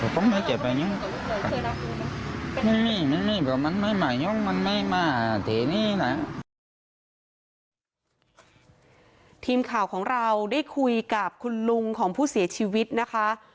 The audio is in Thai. ทีมข่าวของเราได้คุยกับคุณลุงของผู้เสียชีวิตนะคะ